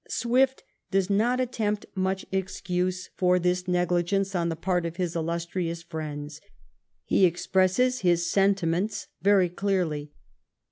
Swift does not attempt much excuse for this negligence on the part of his illustrious friends. He expresses his sen timents very clearly.